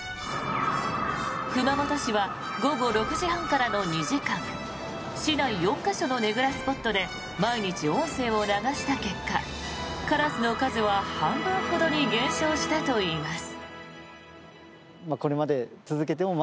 熊本市は午後６時半からの２時間市内４か所のねぐらスポットで毎日音声を流した結果カラスの数は半分ほどに減少したといいます。